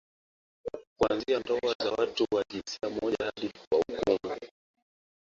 kuanzia ndoa za watu wa jinsia moja hadi kuwahukumu